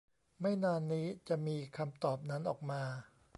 ไม่นานนี้จะมีคำตอบนั้นออกมา